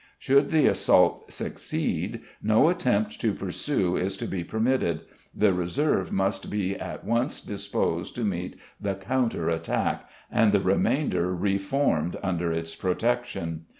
Should the assault succeed, no attempt to pursue is to be permitted; the reserve must be at once disposed to meet the counter attack, and the remainder reformed under its protection.